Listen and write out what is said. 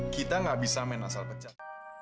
kita nggak bisa menasal pecat